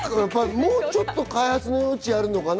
もうちょっと開発の余地あるのかな？